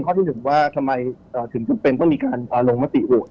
ข้อที่๑ว่าทำไมถึงจำเป็นต้องมีการลงมติอุด